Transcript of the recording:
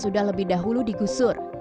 di dahulu digusur